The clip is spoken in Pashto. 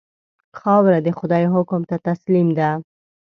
خاوره د خدای حکم ته تسلیم ده.